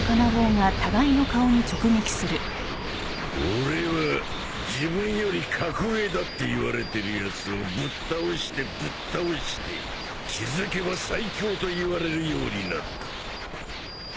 俺は自分より格上だっていわれてるやつをぶっ倒してぶっ倒して気付けば最強といわれるようになった。